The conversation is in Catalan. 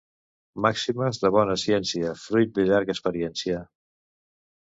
Màximes de bona ciència, fruit de llarga experiència.